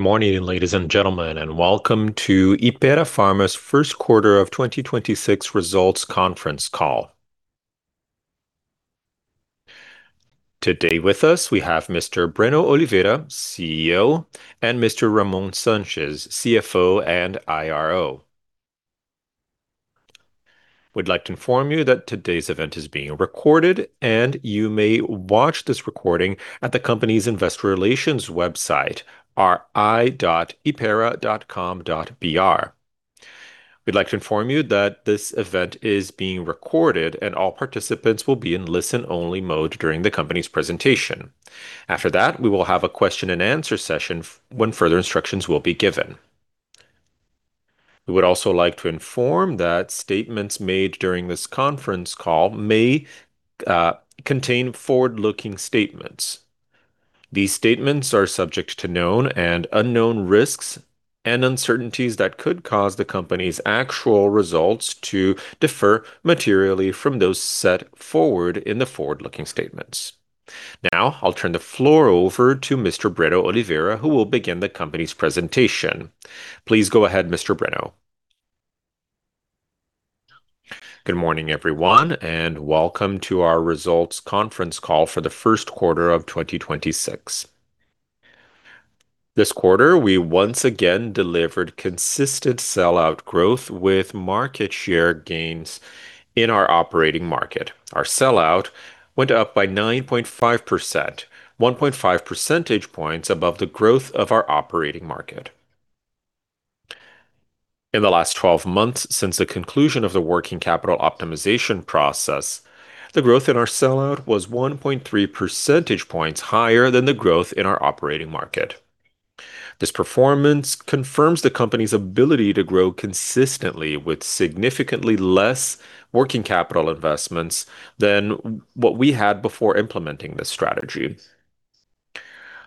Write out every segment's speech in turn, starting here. Good morning, ladies and gentlemen, welcome to Hypera Pharma's first quarter of 2026 results conference call. Today with us we have Mr. Breno Oliveira, CEO, and Mr. Ramon Sanches, CFO and IRO. We'd like to inform you that today's event is being recorded, and you may watch this recording at the company's investor relations website, ri.hypera.com.br. We'd like to inform you that this event is being recorded, and all participants will be in listen-only mode during the company's presentation. After that, we will have a question and answer session when further instructions will be given. We would also like to inform that statements made during this conference call may contain forward-looking statements. These statements are subject to known and unknown risks and uncertainties that could cause the company's actual results to differ materially from those set forward in the forward-looking statements. Now, I'll turn the floor over to Mr. Breno Oliveira, who will begin the company's presentation. Please go ahead, Mr. Breno. Good morning, everyone, and welcome to our results conference call for the first quarter of 2026. This quarter, we once again delivered consistent sell-out growth with market share gains in our operating market. Our sell-out went up by 9.5%, 1.5 percentage points above the growth of our operating market. In the last 12 months, since the conclusion of the working-capital optimization process, the growth in our sell-out was 1.3 percentage points higher than the growth in our operating market. This performance confirms the company's ability to grow consistently with significantly less working capital investments than what we had before implementing this strategy.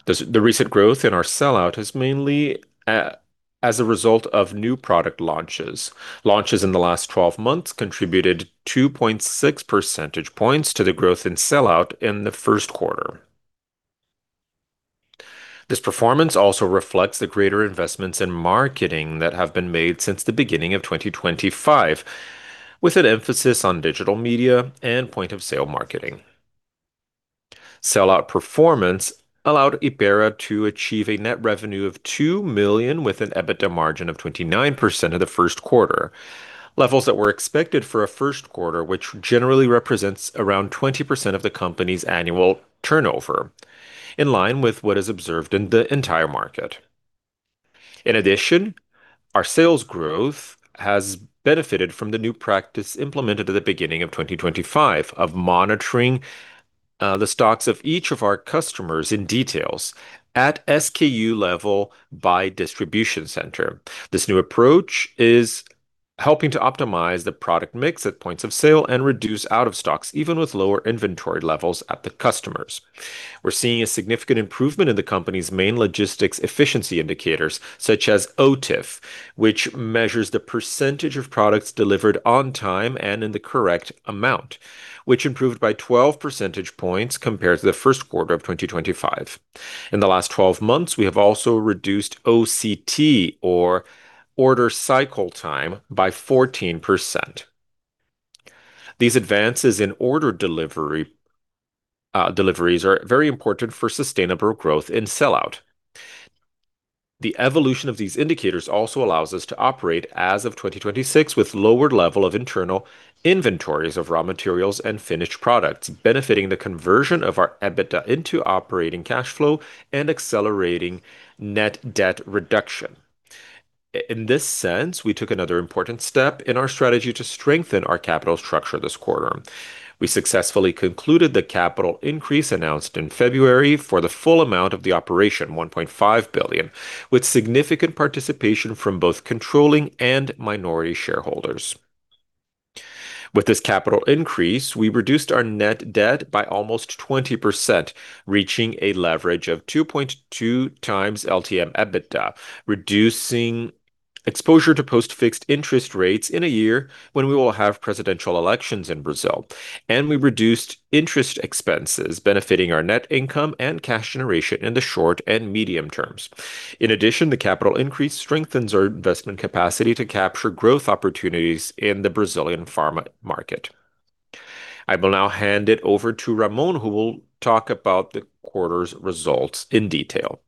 The recent growth in our sell-out is mainly as a result of new-product launches. Launches in the last 12 months contributed 2.6 percentage points to the growth in sell-out in the first quarter. This performance also reflects the greater investments in marketing that have been made since the beginning of 2025, with an emphasis on digital media and point-of-sale marketing. Sell-out performance allowed Hypera to achieve a net revenue of 2 million with an EBITDA margin of 29% in the first quarter, levels that were expected for a first quarter, which generally represents around 20% of the company's annual turnover, in line with what is observed in the entire market. In addition, our sales growth has benefited from the new practice implemented at the beginning of 2025 of monitoring the stocks of each of our customers in details at SKU level by distribution center. This new approach is helping to optimize the product mix at points of sale and reduce out of stocks, even with lower inventory levels at the customers. We're seeing a significant improvement in the company's main logistics efficiency indicators, such as OTIF, which measures the percentage of products delivered on time and in the correct amount, which improved by 12 percentage points compared to the first quarter of 2025. In the last 12 months, we have also reduced OCT, or order cycle time, by 14%. These advances in order delivery, deliveries are very important for sustainable growth in sell-out. The evolution of these indicators also allows us to operate as of 2026 with lower level of internal inventories of raw materials and finished products, benefiting the conversion of our EBITDA into operating cash flow and accelerating net debt reduction. In this sense, we took another important step in our strategy to strengthen our capital structure this quarter. We successfully concluded the capital increase announced in February for the full amount of the operation, 1.5 billion, with significant participation from both controlling and minority shareholders. With this capital increase, we reduced our net debt by almost 20%, reaching a leverage of 2.2x LTM EBITDA, reducing exposure to post-fixed interest rates in a year when we will have presidential elections in Brazil. We reduced interest expenses benefiting our net income and cash generation in the short and medium terms. In addition, the capital increase strengthens our investment capacity to capture growth opportunities in the Brazilian pharma market. I will now hand it over to Ramon, who will talk about the quarter's results in detail.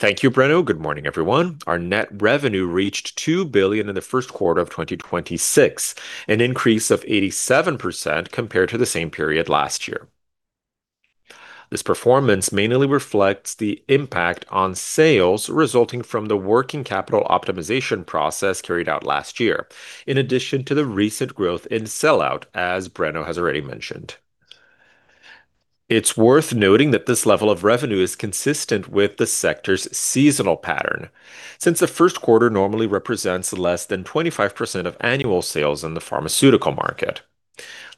Thank you, Breno. Good morning, everyone. Our net revenue reached 2 billion in the first quarter of 2026, an increase of 87% compared to the same period last year. This performance mainly reflects the impact on sales resulting from the working-capital optimization process carried out last year, in addition to the recent growth in sell-out, as Breno has already mentioned. It's worth noting that this level of revenue is consistent with the sector's seasonal pattern, since the first quarter normally represents less than 25% of annual sales in the pharmaceutical market.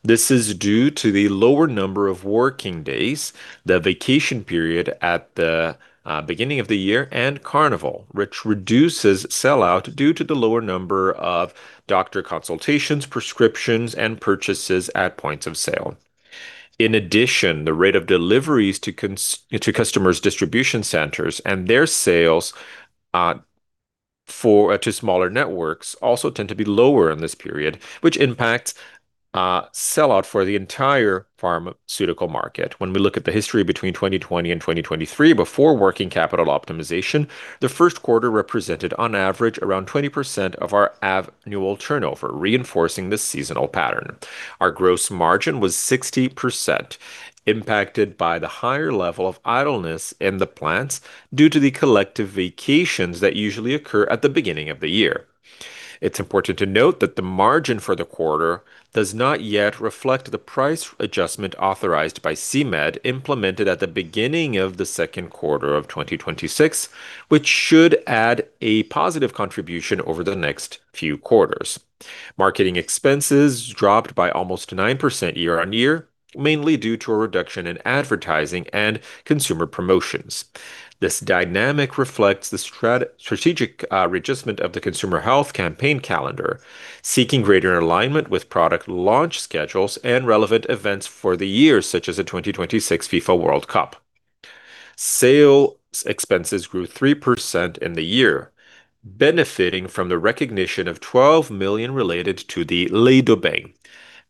This is due to the lower number of working days, the vacation period at the beginning of the year, and Carnival, which reduces sell-out due to the lower number of doctor consultations, prescriptions, and purchases at points of sale. In addition, the rate of deliveries to customers' distribution centers and their sales to smaller networks also tend to be lower in this period, which impacts sell-out for the entire pharmaceutical market. When we look at the history between 2020 and 2023 before working-capital optimization, the first quarter represented on average around 20% of our annual turnover, reinforcing the seasonal pattern. Our gross margin was 60%, impacted by the higher level of idleness in the plants due to the collective vacations that usually occur at the beginning of the year. It's important to note that the margin for the quarter does not yet reflect the price adjustment authorized by CMED, implemented at the beginning of the 2Q of 2026, which should add a positive contribution over the next few quarters. Marketing expenses dropped by almost 9% year-over-year, mainly due to a reduction in advertising and consumer promotions. This dynamic reflects the strategic readjustment of the consumer-health campaign calendar, seeking greater alignment with product launch schedules and relevant events for the year, such as the 2026 FIFA World Cup. Sales expenses grew 3% in the year, benefiting from the recognition of 12 million related to the Lei do Bem.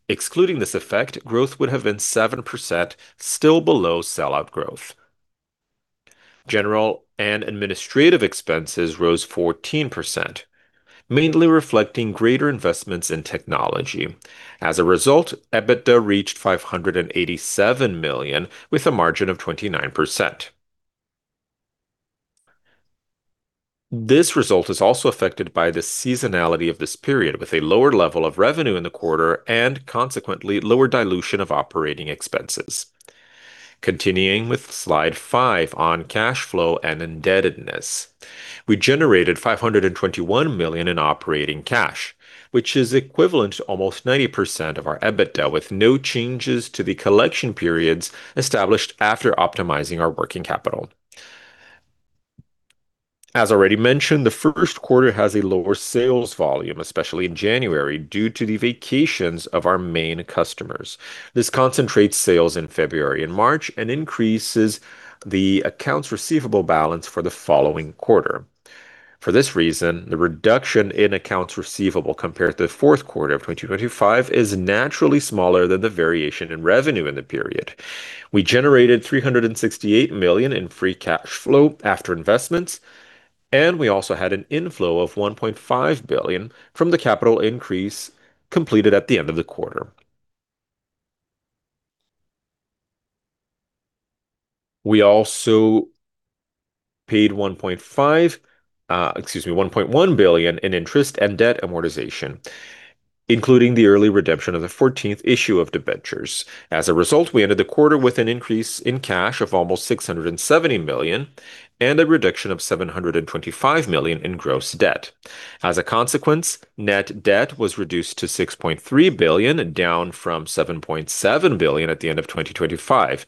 Excluding this effect, growth would have been 7%, still below sell-out growth. General and administrative expenses rose 14%, mainly reflecting greater investments in technology. As a result, EBITDA reached 587 million with a margin of 29%. This result is also affected by the seasonality of this period, with a lower level of revenue in the quarter and consequently lower dilution of operating expenses. Continuing with slide five on cash flow and indebtedness. We generated 521 million in operating cash, which is equivalent to almost 90% of our EBITDA, with no changes to the collection periods established after optimizing our working capital. As already mentioned, the first quarter has a lower sales volume, especially in January, due to the vacations of our main customers. This concentrates sales in February and March and increases the accounts receivable balance for the following quarter. For this reason, the reduction in accounts receivable compared to the fourth quarter of 2025 is naturally smaller than the variation in revenue in the period. We generated BRL 368 million in free cash flow after investments, and we also had an inflow of BRL 1.5 billion from the capital increase completed at the end of the quarter. We also paid 1.5. Excuse me, 1.1 billion in interest and debt amortization, including the early redemption of the 14th issue of debentures. As a result, we ended the quarter with an increase in cash of almost 670 million and a reduction of 725 million in gross debt. As a consequence, net debt was reduced to 6.3 billion, down from 7.7 billion at the end of 2025.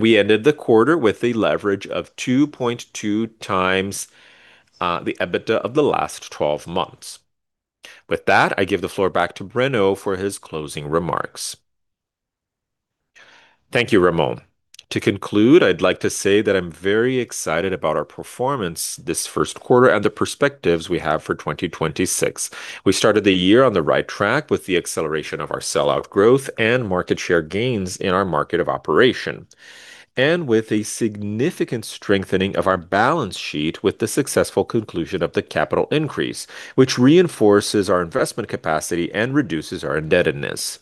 We ended the quarter with a leverage of 2.2x the EBITDA of the last 12 months. With that, I give the floor back to Breno for his closing remarks. Thank you, Ramon. To conclude, I'd like to say that I'm very excited about our performance this first quarter and the perspectives we have for 2026. We started the year on the right track with the acceleration of our sell-out growth and market share gains in our market of operation. With a significant strengthening of our balance sheet with the successful conclusion of the capital increase, which reinforces our investment capacity and reduces our indebtedness.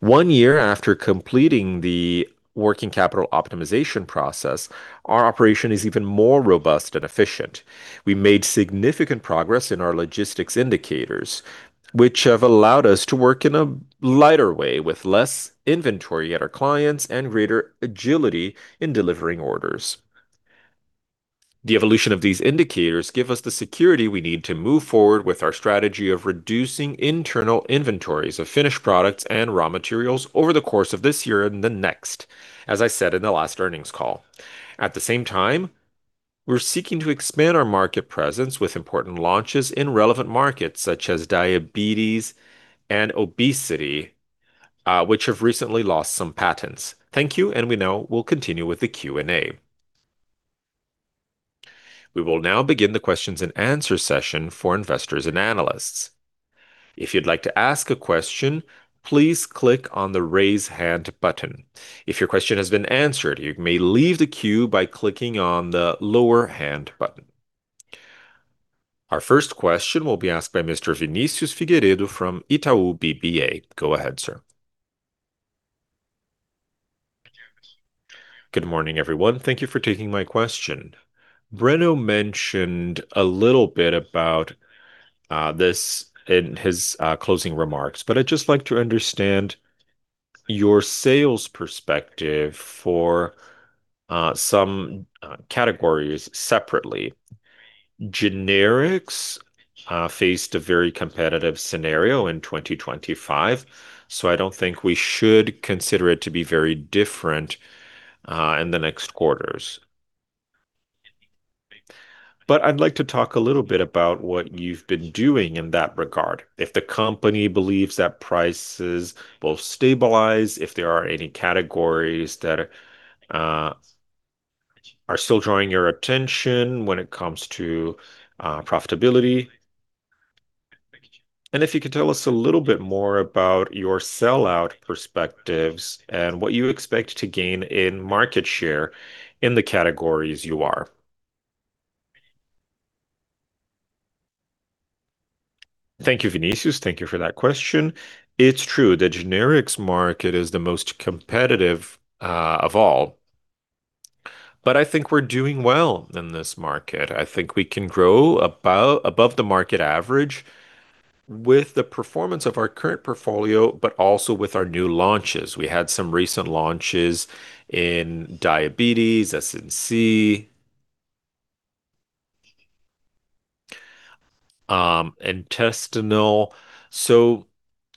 One year after completing the working-capital optimization process, our operation is even more robust and efficient. We made significant progress in our logistics indicators, which have allowed us to work in a lighter way with less inventory at our clients and greater agility in delivering orders. The evolution of these indicators give us the security we need to move forward with our strategy of reducing internal inventories of finished products and raw materials over the course of this year and the next, as I said in the last earnings call. At the same time, we're seeking to expand our market presence with important launches in relevant markets such as diabetes and obesity, which have recently lost some patents. Thank you. We now will continue with the Q&A. We will now begin the questions and answers session for investors and analysts. If you'd like to ask a question, please click on the Raise Hand button. If your question has been answered, you may leave the queue by clicking on the Lower Hand button. Our first question will be asked by Mr. Vinicius Figueiredo from Itaú BBA. Go ahead, sir. Good morning, everyone. Thank you for taking my question. Breno mentioned a little bit about this in his closing remarks, but I'd just like to understand your sales perspective for some categories separately. Generics faced a very competitive scenario in 2025. I don't think we should consider it to be very different in the next quarters. I'd like to talk a little bit about what you've been doing in that regard. If the company believes that prices will stabilize, if there are any categories that are still drawing your attention when it comes to profitability. If you could tell us a little bit more about your sell-out perspectives and what you expect to gain in market share in the categories you are. Thank you, Vinicius. Thank you for that question. It's true, the generics market is the most competitive of all. I think we're doing well in this market. I think we can grow about above the market average with the performance of our current portfolio, but also with our new launches. We had some recent launches in diabetes, CNS, intestinal.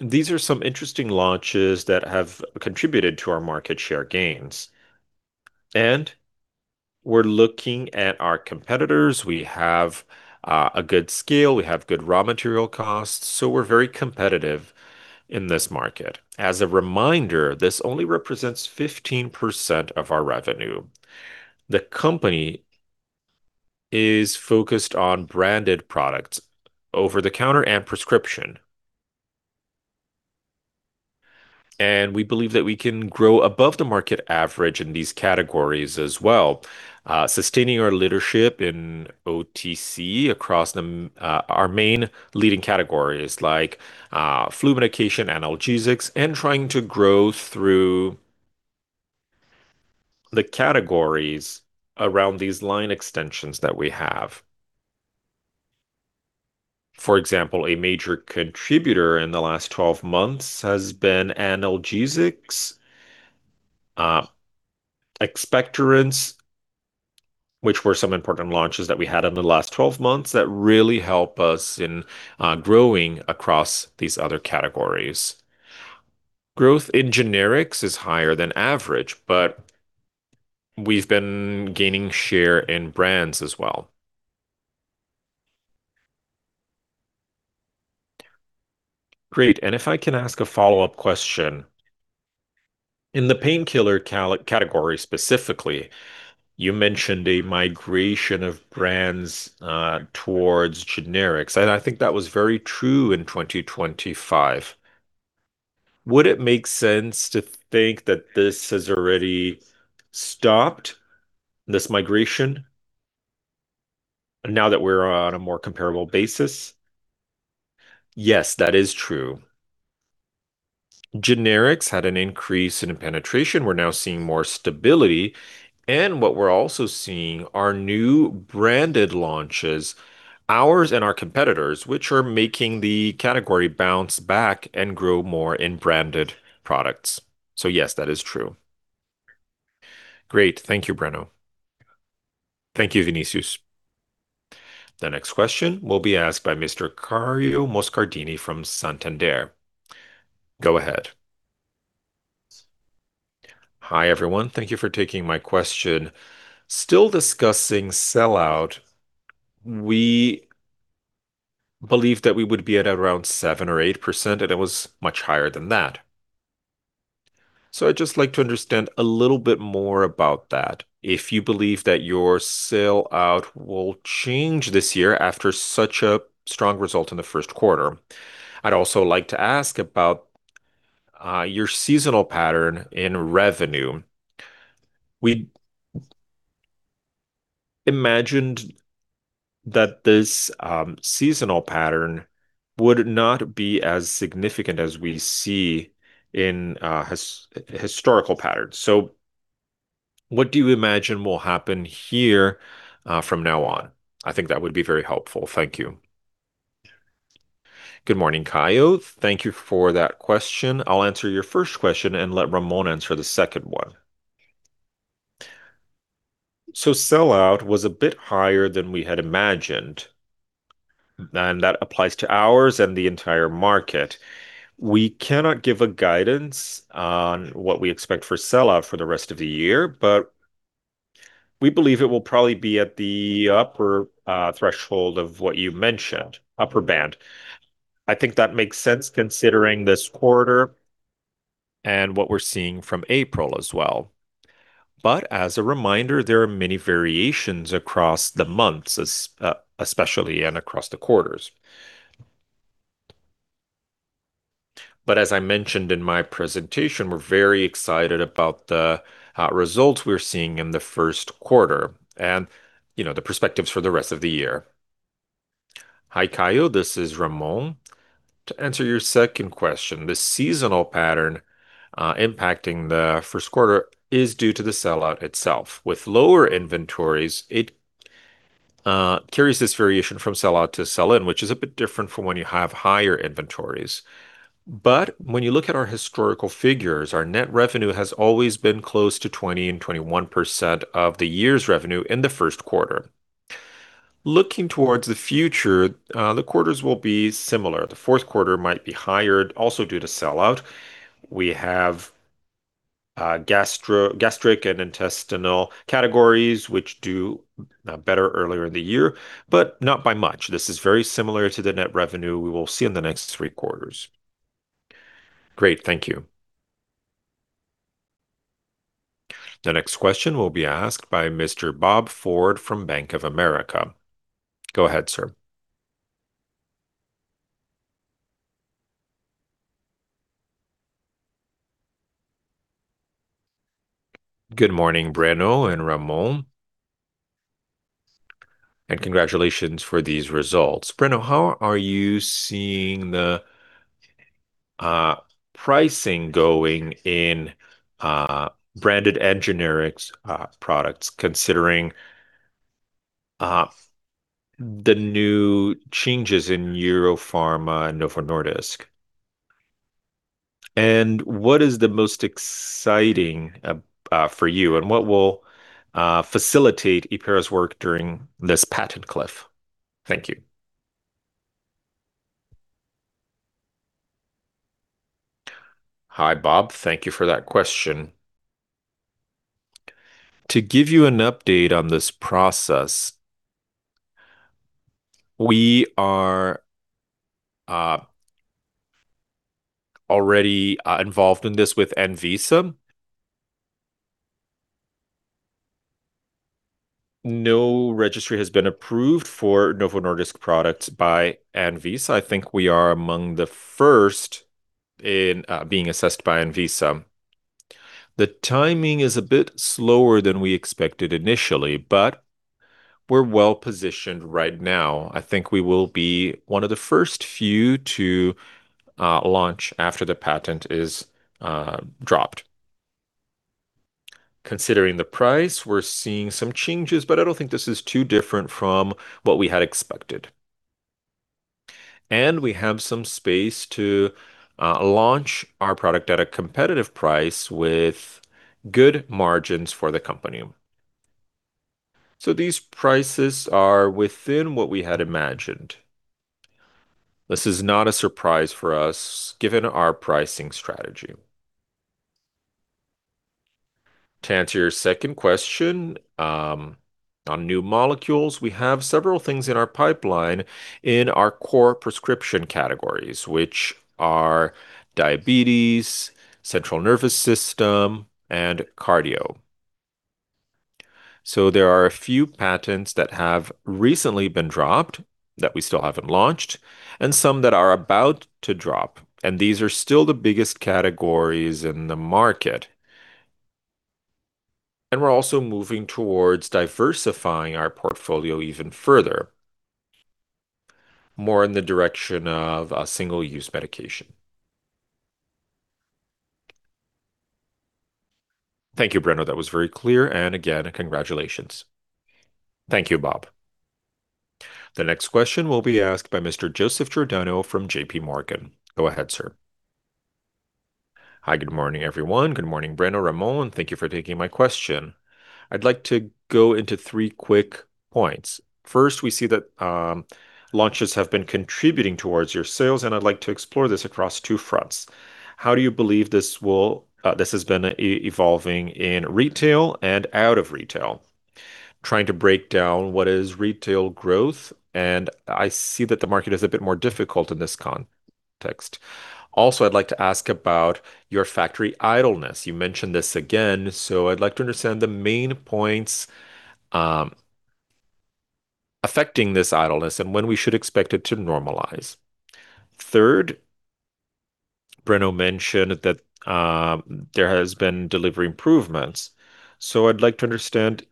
These are some interesting launches that have contributed to our market share gains. We're looking at our competitors. We have a good scale. We have good raw material costs, so we're very competitive in this market. As a reminder, this only represents 15% of our revenue. The company is focused on branded products, over-the-counter and prescription. We believe that we can grow above the market average in these categories as well, sustaining our leadership in OTC across our main leading categories like flu medication, analgesics, and trying to grow through the categories around these line extensions that we have. For example, a major contributor in the last 12 months has been analgesics, expectorants, which were some important launches that we had in the last 12 months that really help us in growing across these other categories. Growth in generics is higher than average, we've been gaining share in brands as well. Great. If I can ask a follow-up question. In the painkiller category specifically, you mentioned a migration of brands towards generics, I think that was very true in 2025. Would it make sense to think that this has already stopped, this migration, now that we're on a more comparable basis? Yes, that is true. Generics had an increase in penetration. We're now seeing more stability, and what we're also seeing are new branded launches, ours and our competitors, which are making the category bounce back and grow more in branded products. Yes, that is true. Great. Thank you, Breno. Thank you, Vinicius. The next question will be asked by Mr. Caio Moscardini from Santander. Go ahead. Hi, everyone. Thank you for taking my question. Still discussing sell-out, we believed that we would be at around 7% or 8%, and it was much higher than that. I'd just like to understand a little bit more about that, if you believe that your sell-out will change this year after such a strong result in the first quarter. I'd also like to ask about your seasonal pattern in revenue. We imagined that this seasonal pattern would not be as significant as we see in historical patterns. What do you imagine will happen here from now on? I think that would be very helpful. Thank you. Good morning, Caio. Thank you for that question. I'll answer your first question and let Ramon answer the second one. Sellout was a bit higher than we had imagined, and that applies to ours and the entire market. We cannot give a guidance on what we expect for sell-out for the rest of the year, but we believe it will probably be at the upper threshold of what you mentioned, upper band. I think that makes sense considering this quarter and what we're seeing from April as well. As a reminder, there are many variations across the months, especially and across the quarters. As I mentioned in my presentation, we're very excited about the results we're seeing in the first quarter and, you know, the perspectives for the rest of the year. Hi, Caio. This is Ramon. To answer your second question, the seasonal pattern impacting the first quarter is due to the sell-out itself. With lower inventories, it carries this variation from sell-out to sell-in, which is a bit different from when you have higher inventories. When you look at our historical figures, our net revenue has always been close to 20% and 21% of the year's revenue in the first quarter. Looking towards the future, the quarters will be similar. The fourth quarter might be higher also due to sell-out. We have gastric and intestinal categories, which do better earlier in the year, but not by much. This is very similar to the net revenue we will see in the next three quarters. Great. Thank you. The next question will be asked by Mr. Robert Ford from Bank of America. Go ahead, sir. Good morning, Breno and Ramon, and congratulations for these results. Breno, how are you seeing the pricing going in branded and generics products considering the new changes in Eurofarma, Novo Nordisk? What is the most exciting for you, and what will facilitate Hypera's work during this patent cliff? Thank you. Hi, Robert. Thank you for that question. To give you an update on this process, we are already involved in this with Anvisa. No registry has been approved for Novo Nordisk products by Anvisa. I think we are among the 1st in being assessed by Anvisa. The timing is a bit slower than we expected initially, but we're well-positioned right now. I think we will be one of the first few to launch after the patent is dropped. Considering the price, we're seeing some changes, but I don't think this is too different from what we had expected. We have some space to launch our product at a competitive price with good margins for the company. These prices are within what we had imagined. This is not a surprise for us given our pricing strategy. To answer your second question, on new molecules, we have several things in our pipeline in our core-prescription categories, which are diabetes, central nervous system, and cardio. There are a few patents that have recently been dropped that we still haven't launched and some that are about to drop, and these are still the biggest categories in the market. We're also moving towards diversifying our portfolio even further, more in the direction of a single-use medication. Thank you, Breno. That was very clear and, again, congratulations. Thank you, Rob. The next question will be asked by Mr. Joseph Giordano from JPMorgan. Go ahead, sir. Hi, good morning, everyone. Good morning, Breno, Ramon. Thank you for taking my question. I'd like to go into three quick points. First, we see that launches have been contributing towards your sales, and I'd like to explore this across two fronts. How do you believe this has been evolving in retail and out of retail? Trying to break down what is retail growth, and I see that the market is a bit more difficult in this context. I'd like to ask about your factory idleness. You mentioned this again. I'd like to understand the main points affecting this idleness and when we should expect it to normalize. Third, Breno mentioned that there has been delivery improvements. I'd like to understand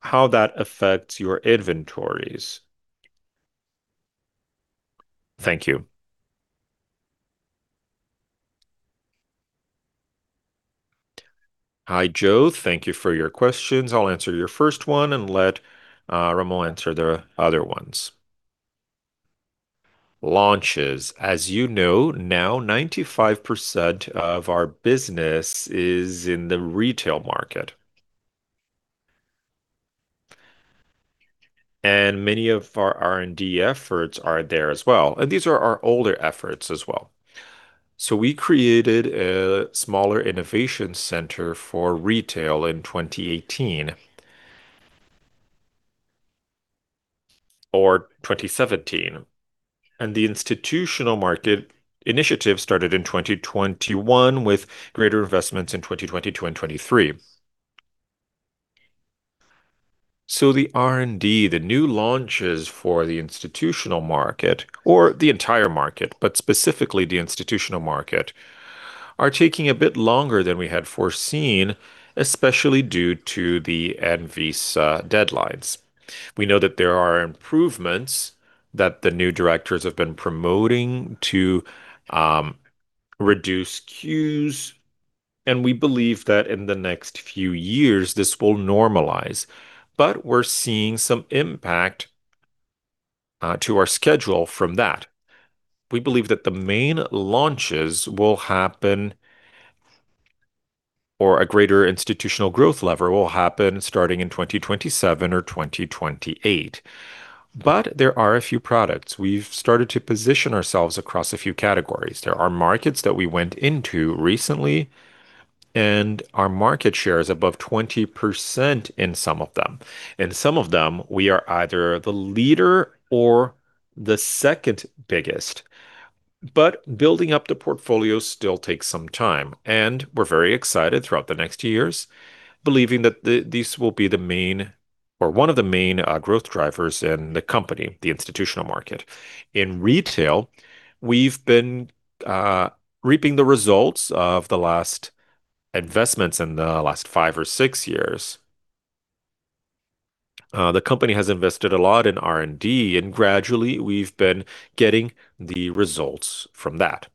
how that affects your inventories. Thank you. Hi, Joe. Thank you for your questions. I'll answer your first one and let Ramon answer the other ones. Launches. As you know, now 95% of our business is in the retail market. Many of our R&D efforts are there as well, and these are our older efforts as well. We created a smaller innovation center for retail in 2018 or 2017, and the institutional market initiative started in 2021 with greater investments in 2022 and 2023. The R&D, the new launches for the institutional market or the entire market, but specifically the institutional market, are taking a bit longer than we had foreseen, especially due to the Anvisa deadlines. We know that there are improvements that the new directors have been promoting to reduce queues, and we believe that in the next few years this will normalize. We're seeing some impact to our schedule from that. We believe that the main launches will happen or a greater institutional growth lever will happen starting in 2027 or 2028. There are a few products. We've started to position ourselves across a few categories. There are markets that we went into recently. Our market share is above 20% in some of them. In some of them, we are either the leader or the second biggest. Building up the portfolio still takes some time, and we're very excited throughout the next years, believing that these will be the main or one of the main growth drivers in the company, the institutional market. In retail, we've been reaping the results of the last investments in the last five or six years. The company has invested a lot in R&D, and gradually we've been getting the results from that.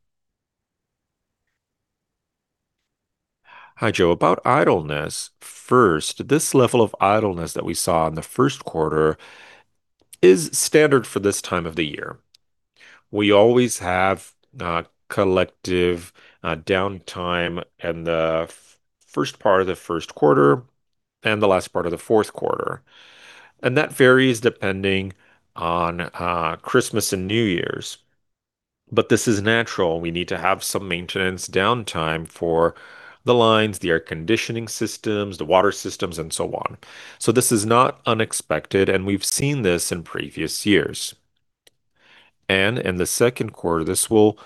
Hi, Joe. About idleness, first, this level of idleness that we saw in the first quarter is standard for this time of the year. We always have collective downtime in the first part of the first quarter and the last part of the fourth quarter, and that varies depending on Christmas and New Year's. This is natural. We need to have some maintenance downtime for the lines, the air conditioning systems, the water systems, and so on. This is not unexpected, and we've seen this in previous years. In the second quarter, this will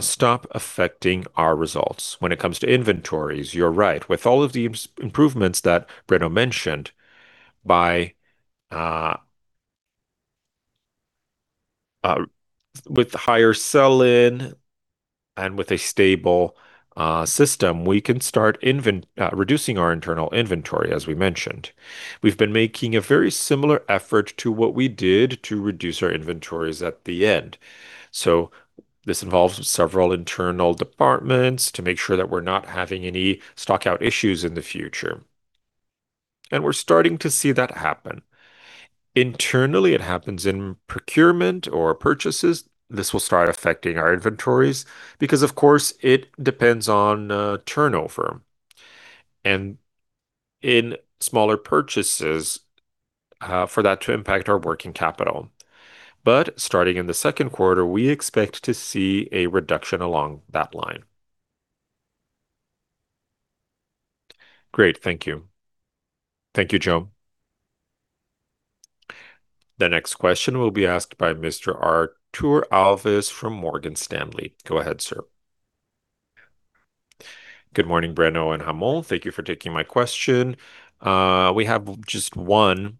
stop affecting our results. When it comes to inventories, you're right. With all of the improvements that Breno mentioned, with higher sell-in and with a stable system, we can start reducing our internal inventory, as we mentioned. We've been making a very similar effort to what we did to reduce our inventories at the end. This involves several internal departments to make sure that we're not having any stock-out issues in the future. We're starting to see that happen. Internally, it happens in procurement or purchases. This will start affecting our inventories because, of course, it depends on turnover and in smaller purchases for that to impact our working capital. Starting in the second quarter, we expect to see a reduction along that line. Great. Thank you. Thank you, Joe. The next question will be asked by Mr. Artur Alves from Morgan Stanley. Go ahead, sir. Good morning, Breno and Ramon. Thank you for taking my question. We have just one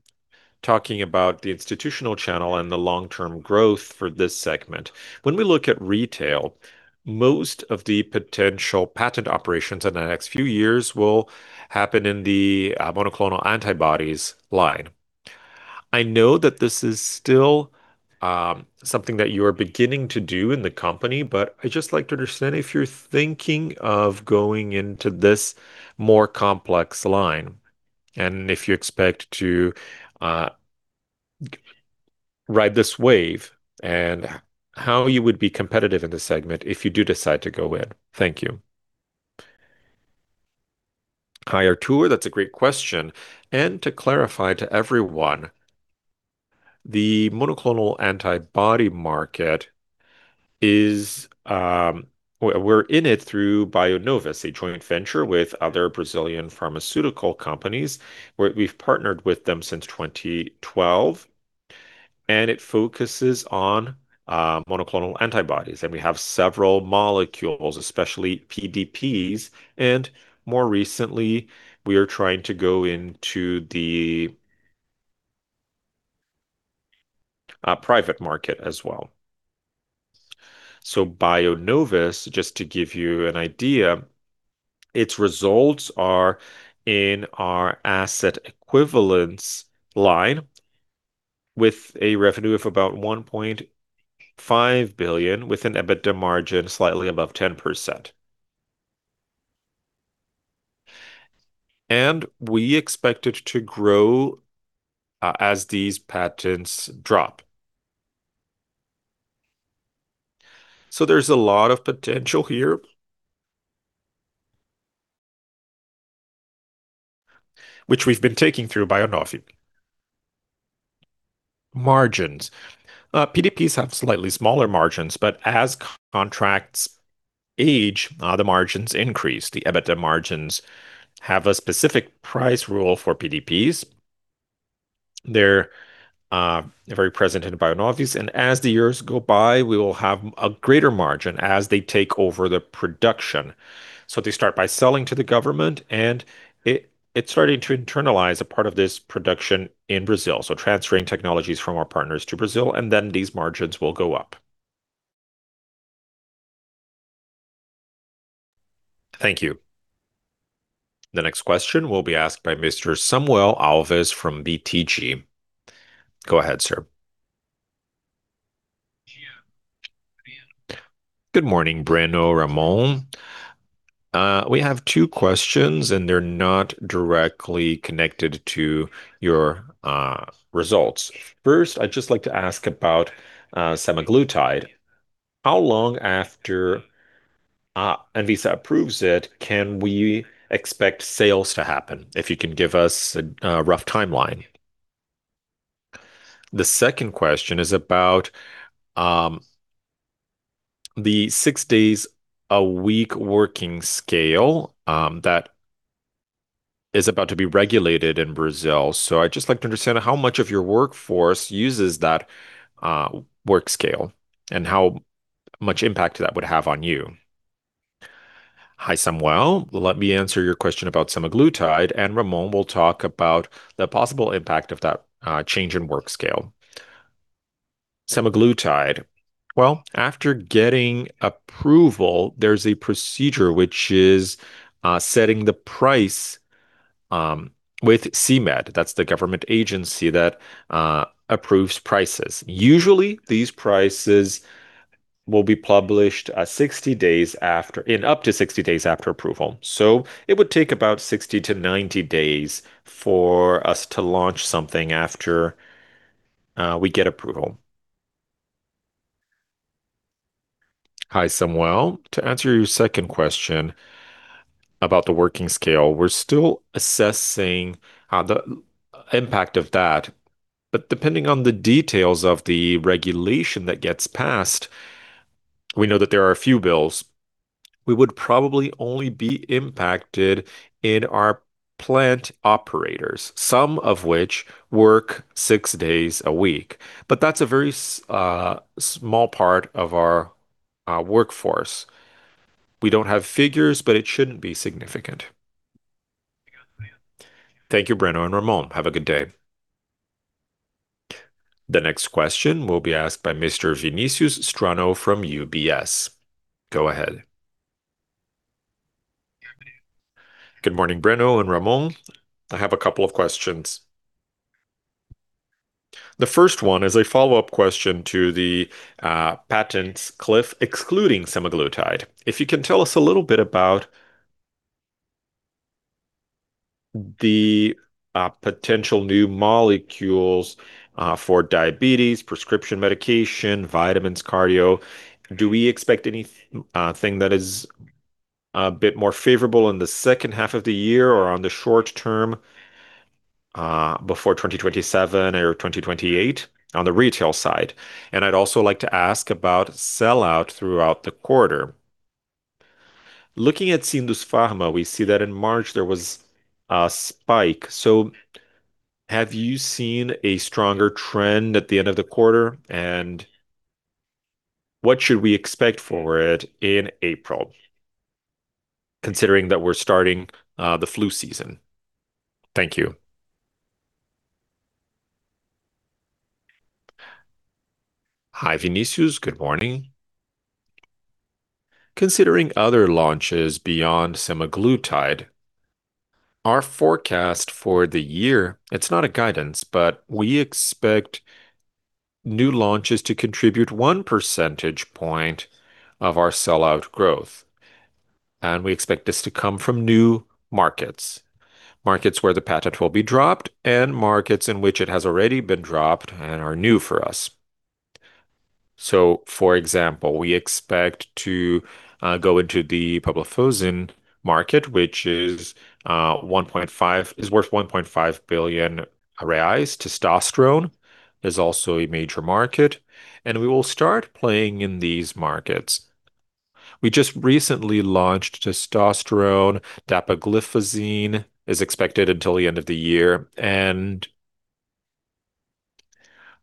talking about the institutional channel and the long-term growth for this segment. When we look at retail, most of the potential patent operations in the next few years will happen in the monoclonal antibodies line. I know that this is still something that you are beginning to do in the company, but I'd just like to understand if you're thinking of going into this more complex line and if you expect to ride this wave and how you would be competitive in this segment if you do decide to go in. Thank you. Hi, Artur. That's a great question. To clarify to everyone, the monoclonal antibody market is. We're in it through Bionovis, a joint venture with other Brazilian pharmaceutical companies. We've partnered with them since 2012, and it focuses on monoclonal antibodies, and we have several molecules, especially PDPs, and more recently, we are trying to go into the private market as well. Bionovis, just to give you an idea, its results are in our asset equivalence line with a revenue of about 1.5 billion with an EBITDA margin slightly above 10%. We expect it to grow as these patents drop. There's a lot of potential here, which we've been taking through Bionovis. Margins. PDPs have slightly smaller margins, but as contracts age, the margins increase. The EBITDA margins have a specific price rule for PDPs. They're very present in Bionovis, and as the years go by, we will have a greater margin as they take over the production. They start by selling to the government, and it's starting to internalize a part of this production in Brazil, so transferring technologies from our partners to Brazil, and then these margins will go up. Thank you. The next question will be asked by Mr. Samuel Alves from BTG Pactual. Go ahead, sir. Good morning, Breno, Ramon. We have two questions, they're not directly connected to your results. First, I'd just like to ask about semaglutide. How long after Anvisa approves it can we expect sales to happen, if you can give us a rough timeline? The second question is about the six days a week working scale that is about to be regulated in Brazil. I'd just like to understand how much of your workforce uses that work scale and how much impact that would have on you. Hi, Samuel. Let me answer your question about semaglutide, Ramon will talk about the possible impact of that change in work scale. Semaglutide. Well, after getting approval, there's a procedure which is setting the price with CMED. That's the government agency that approves prices. Usually these prices will be published in up to 60 days after approval. It would take about 60 to 90 days for us to launch something after we get approval. Hi, Samuel. To answer your second question about the working scale, we're still assessing the impact of that. Depending on the details of the regulation that gets passed, we know that there are a few bills, we would probably only be impacted in our plant operators, some of which work six days a week. That's a very small part of our workforce. We don't have figures, but it shouldn't be significant. Thank you, Breno and Ramon. Have a good day. The next question will be asked by Mr. Vinícius Strano from UBS. Go ahead. Good morning, Breno and Ramon. I have a couple of questions. The first one is a follow-up question to the patents cliff, excluding semaglutide. If you can tell us a little bit about the potential new molecules for diabetes, prescription medication, vitamins, cardio. Do we expect anything that is a bit more favorable in the second half of the year or on the short term, before 2027 or 2028 on the retail side? I'd also like to ask about sell-out throughout the quarter. Looking at Sindusfarma, we see that in March there was a spike. Have you seen a stronger trend at the end of the quarter? What should we expect for it in April, considering that we're starting the flu season? Thank you. Hi, Vinícius. Good morning. Considering other launches beyond semaglutide, our forecast for the year, it's not a guidance, but we expect new launches to contribute 1 percentage point of our sell-out growth. We expect this to come from new markets where the patent will be dropped and markets in which it has already been dropped and are new for us. For example, we expect to go into the dapagliflozin market, which is worth 1.5 billion reais. Testosterone is also a major market. We will start playing in these markets. We just recently launched testosterone. Dapagliflozin is expected until the end of the year.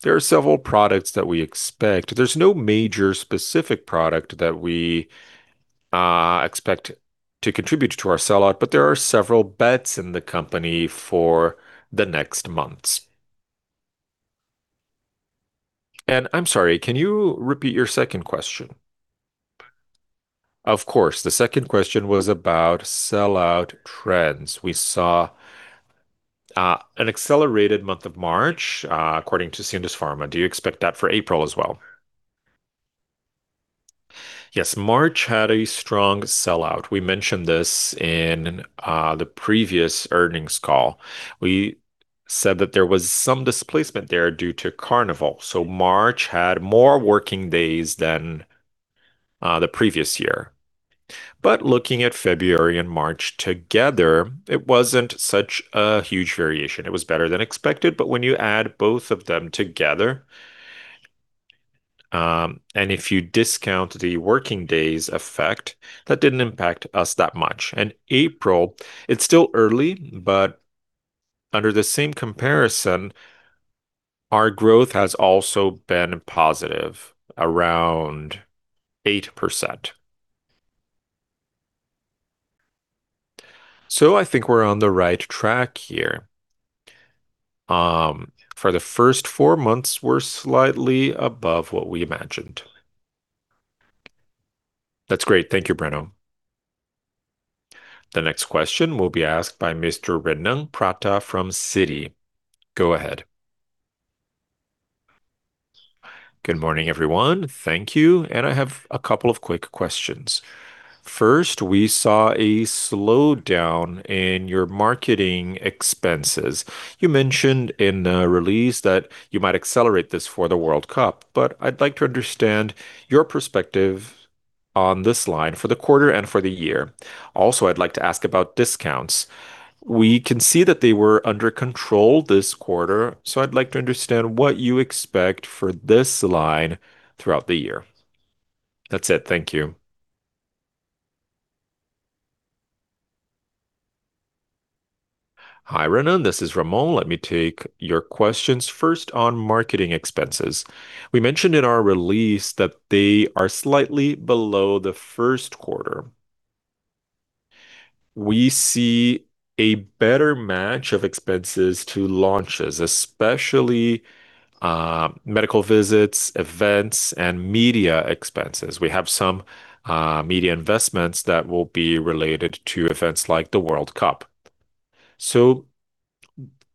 There are several products that we expect. There's no major specific product that we expect to contribute to our sell-out, but there are several bets in the company for the next months. I'm sorry, can you repeat your second question? Of course. The second question was about sell-out trends. We saw an accelerated month of March, according to Sindusfarma. Do you expect that for April as well? Yes, March had a strong sell-out. We mentioned this in the previous earnings call. We said that there was some displacement there due to Carnival, so March had more working days than the previous year. Looking at February and March together, it wasn't such a huge variation. It was better than expected. When you add both of them together, and if you discount the working days effect, that didn't impact us that much. April, it's still early, but under the same comparison, our growth has also been positive, around 8%. I think we're on the right track here. For the first four months, we're slightly above what we imagined. That's great. Thank you, Breno. The next question will be asked by Mr. Renan Prata from Citi. Go ahead. Good morning, everyone. Thank you. I have a couple of quick questions. First, we saw a slowdown in your marketing expenses. You mentioned in the release that you might accelerate this for the World Cup. I'd like to understand your perspective on this line for the quarter and for the year. Also, I'd like to ask about discounts. We can see that they were under control this quarter. I'd like to understand what you expect for this line throughout the year. That's it. Thank you. Hi, Breno. This is Ramon. Let me take your questions. First, on marketing expenses. We mentioned in our release that they are slightly below the first quarter. We see a better match of expenses to launches, especially, medical visits, events, and media expenses. We have some media investments that will be related to events like the World Cup.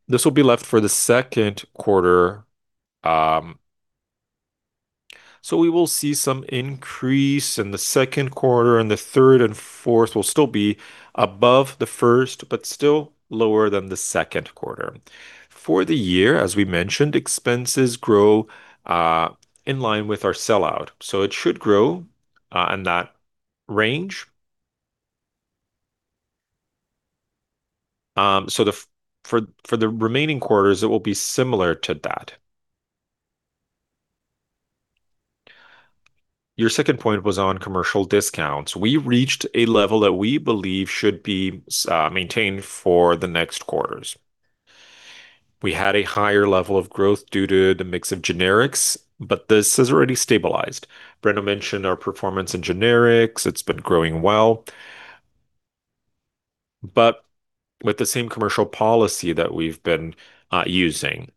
This will be left for the second quarter, we will see some increase in the second quarter, and the third and fourth will still be above the first, but still lower than the second quarter. For the year, as we mentioned, expenses grow in line with our sell-out. It should grow in that range. For the remaining quarters, it will be similar to that. Your second point was on commercial discounts. We reached a level that we believe should be maintained for the next quarters. We had a higher level of growth due to the mix of generics, but this has already stabilized. Breno mentioned our performance in generics. It's been growing well with the same commercial policy that we've been using.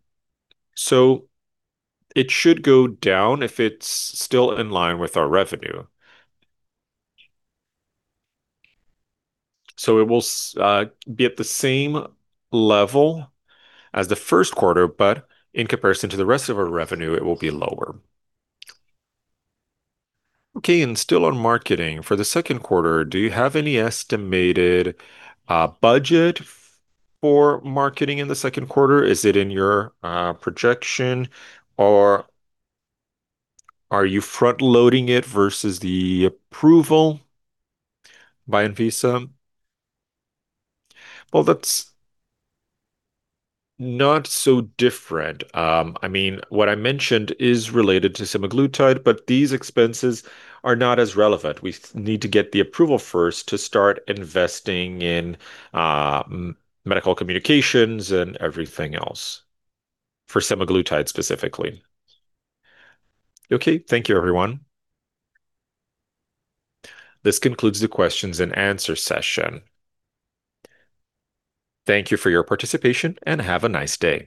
It should go down if it's still in line with our revenue. It will be at the same level as the first quarter, but in comparison to the rest of our revenue, it will be lower. Okay, still on marketing. For the second quarter, do you have any estimated budget for marketing in the second quarter? Is it in your projection, or are you front-loading it versus the approval by Anvisa? Well, that's not so different. I mean, what I mentioned is related to semaglutide, these expenses are not as relevant. We need to get the approval first to start investing in medical communications and everything else for semaglutide specifically. Okay. Thank you, everyone. This concludes the questions and answer session. Thank you for your participation, and have a nice day.